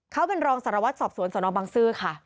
เขาเป็นรองสารวัตรสอบสวนสนบังซื้อค่ะ